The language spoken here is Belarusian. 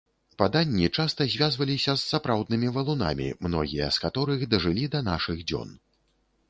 Паданні часта звязваліся з сапраўднымі валунамі, многія з каторых дажылі да нашых дзён.